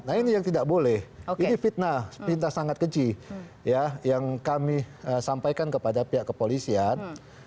nah ini yang tidak boleh ini fitnah fitnah sangat keji ya yang kami sampaikan kepada pihak kepolisian